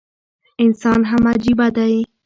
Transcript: انسان هم عجيبه دی